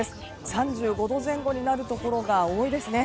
３５度前後になるところが多いですね。